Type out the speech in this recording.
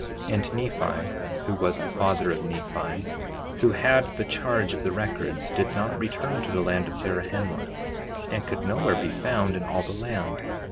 2:9 And Nephi, who was the father of Nephi, who had the charge of the records, did not return to the land of Zarahemla, and could nowhere be found in all the land.